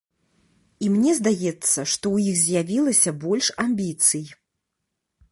І мне здаецца, што ў іх з'явілася больш амбіцый.